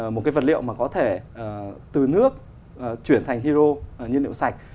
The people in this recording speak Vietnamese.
một cái vật liệu mà có thể từ nước chuyển thành hydro nhiên liệu sạch